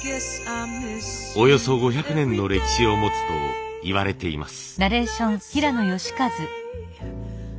およそ５００年の歴史を持つといわれています。